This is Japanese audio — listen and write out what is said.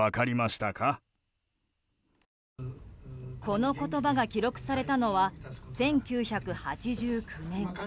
この言葉が記録されたのは１９８９年。